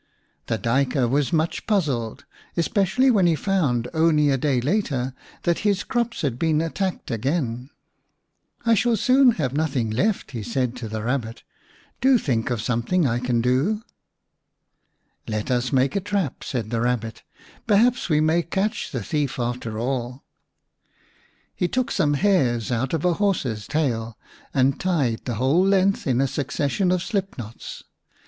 The Duyker was much puzzled, especially when he found only a day later that his crops had been attacked again. " I shall soon have nothing left," said he to the Rabbit. "Do think of something I can do." "Let us make a trap," said the Kabbit. " Perhaps we may catch the thief after all." 44 v The Rabbit Prince He took some hairs out of a horse's tail and tied the whole length in a succession of slip knots.